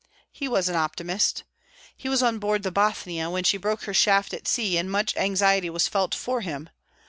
He was an optimist. He was on board the "Bothnia" when she broke her shaft at sea, and much anxiety was felt for him.